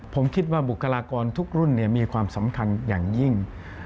ผมคิดว่าบุคลากรทุกรุ่นมีความสำคัญอย่างยิ่ง